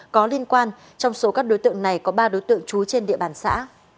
có liên quan trong số các đối tượng này có ba đối tượng trú trên địa bàn xã